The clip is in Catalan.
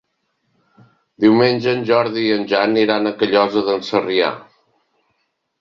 Diumenge en Jordi i en Jan iran a Callosa d'en Sarrià.